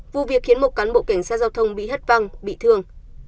vụ việc khiến một cán bộ cảnh sát giao thông bị hất văng bị thương